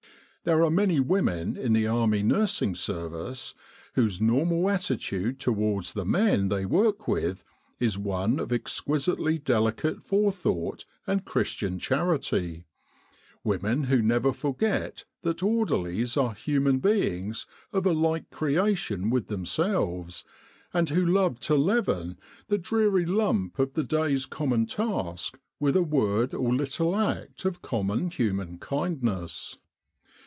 There are many women in the Army Nursing Service whose normal attitude towards the men they work with is one of exquisitely delicate forethought and Christian charity women who never forget that orderlies are human beings of a like creation with themselves, and who love to leaven the dreary lump of the day's common task with a word or little act of common human kindness.